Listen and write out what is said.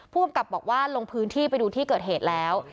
ผู้กำกับบอกว่าลงพื้นที่ไปดูที่เกิดเหตุแล้ว